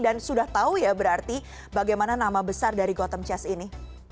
dan sudah tahu ya berarti bagaimana nama besar dari gotham chess ini